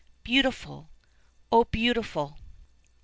Beautiful! O beautiful!